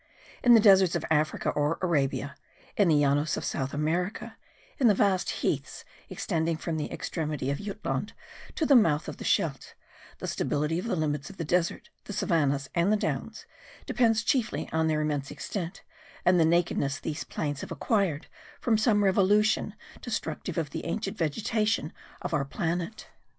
In the deserts of Africa or Arabia, in the Llanos of South America, in the vast heaths extending from the extremity of Jutland to the mouth of the Scheldt, the stability of the limits of the desert, the savannahs, and the downs, depends chiefly on their immense extent and the nakedness these plains have acquired from some revolution destructive of the ancient vegetation of our planet.